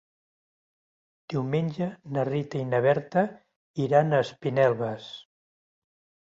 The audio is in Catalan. Diumenge na Rita i na Berta iran a Espinelves.